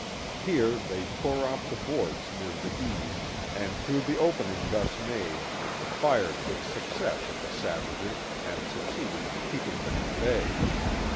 Here they tore off the boards near the eaves and through the opening thus made fired with success at the savages and succeeded in keeping them at bay.